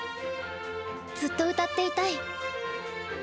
ずっと歌っていたい。